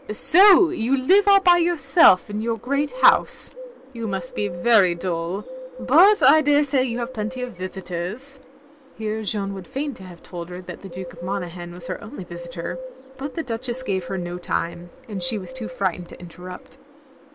"So you live all by yourself in your great house. You must be very dull. But I daresay you have plenty of visitors —" Here Jeanne would fain have told her that the Duke of Mona ghan was her only visitor, but the Duchess gave her no time, and she was too frightened to in terrupt.